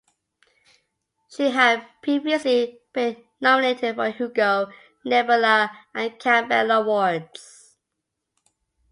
She had previously been nominated for Hugo, Nebula, and Campbell awards.